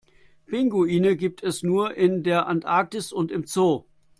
Pinguine gibt es nur in der Antarktis und im Zoo.